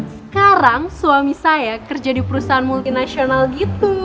sekarang suami saya kerja di perusahaan multinasional gitu